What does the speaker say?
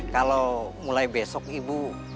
kalau mulai besok ibu